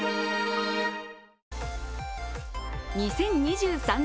２０２３年